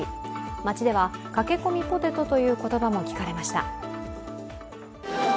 街では駆け込みポテトという言葉も聞かれました。